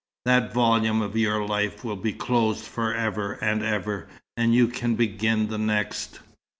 That volume of your life will be closed for ever and ever, and you can begin the next."